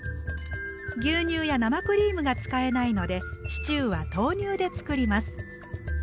牛乳や生クリームが使えないのでシチューは豆乳で作ります。